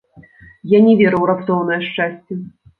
Я не веру ў раптоўнае шчасце.